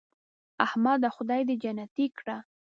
احمده خدای دې جنتې کړه .